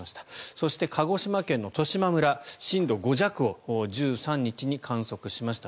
そして鹿児島県十島村震度５弱を１３日に観測しました。